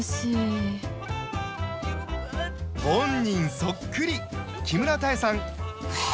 そっくり木村多江さん